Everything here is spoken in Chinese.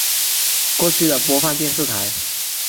过去的播放电视台